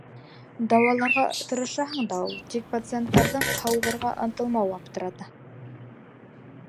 Дауаларға тырышаһың да ул, тик пациенттарҙың һауығырға ынтылмауы аптырата.